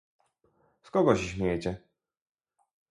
Z kogo się śmiejecie?